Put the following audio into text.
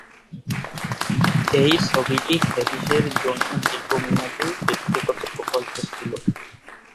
এই ছবিটি হ্যারিসের জন্য দীর্ঘমেয়াদী ব্যক্তিগত প্রকল্প ছিল।